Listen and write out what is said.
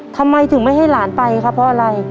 ทำไมถึงไม่ให้หลานไปครับเพราะอะไร